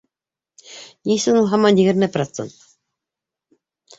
Ни өсөн ул һаман егерме процент?